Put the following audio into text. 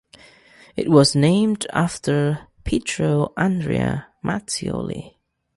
It was named after Pietro Andrea Mattioli.